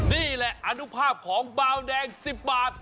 นี่แหละอนุภาพของเบาแดง๑๐บาท